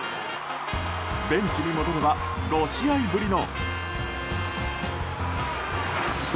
ベンチに戻れば５試合ぶりの。